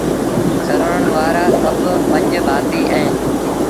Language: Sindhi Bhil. سروڻ وآرآ سڀ پنج ڀآتيٚ اوهيݩ